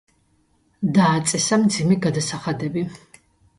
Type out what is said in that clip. დააწესა მძიმე გადასახადები.